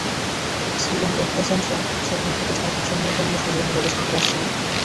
C&F এজেন্টরা সেখান থেকে ছাড়পত্র নিয়ে পণ্য সরবরাহের ব্যবস্থা করে আসছিলেন।